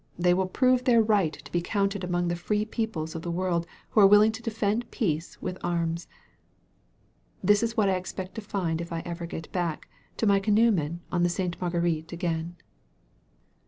They will prove their right to be counted among the free peoples 181 THE VALLEY OF VISION of the world who are willing to defend peace with arms. That is what I expect to find if I ever get back to my canoemen on the Sainie Marguerite again.